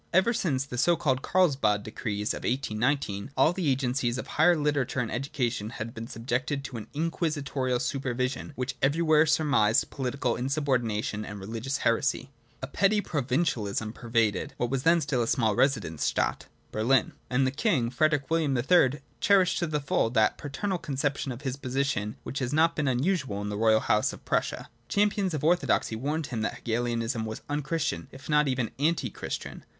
Ever since the so called Carlsbad decrees of 1819 all the agencies of the higher literature and education had been subjected to an inquisitorial supervision which everywhere surmised political insub ordination and religious heresy. A petty provincialism pervaded what was then still the small SMefltenj^Statit Berlin ; and the King, Frederick William III, cherished ' Jacobi's Werke, iv. A, p. 63. b2 XX THE THREE PREFACES to the full that paternal conception of his position which has not been unusual in the royal house of Prussia. Champions of orthodoxy warned him that Hegelianism was unchristian, if not even anti christian.